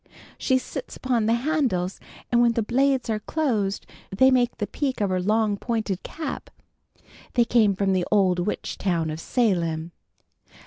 She sits upon the handles, and when the blades are closed they make the peak of her long pointed cap. They came from the old witch town of Salem."